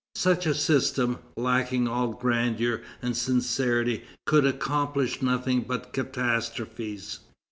Such a system, lacking all grandeur and sincerity, could accomplish nothing but catastrophes.